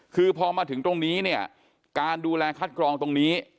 คือพอมาถึงตรงนี้เนี่ยการดูแลคัดกรองตรงนี้